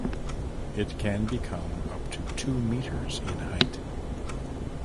It can become up to two metres in height.